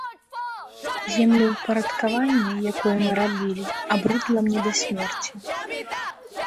Землеўпарадкаванне, якое мы рабілі, абрыдла мне да смерці.